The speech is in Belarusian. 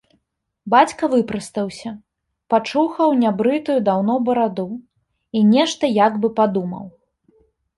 Бацька выпрастаўся, пачухаў нябрытую даўно бараду і нешта як бы падумаў.